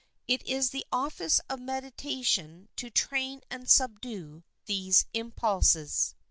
It is the office of meditation to train and subdue these impulses.